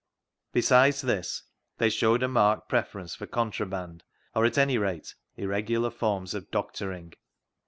Besides this, they showed a marked preference for contraband, or, at any rate, irregular forms of doctoring.